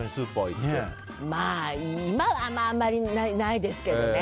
まあ、今はあんまりないですけどね。